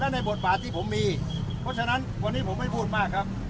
ในบทบาทที่ผมมีเพราะฉะนั้นวันนี้ผมไม่พูดมากครับ